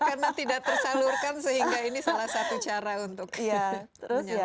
karena tidak tersalurkan sehingga ini salah satu cara untuk menyeluruhkan mimpi